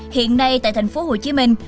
hiện nay tại thành phố hồ chí minh